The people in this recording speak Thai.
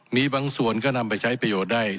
มีบางส่วนก็นำไปใช้ประโยชน์ได้